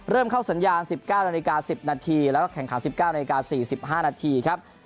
เริ่มเข้าสัญญาณ๑๙นาฬิกา๑๐นาทีแล้วก็แข่งขัน๑๙นาที๔๕นาทีครับ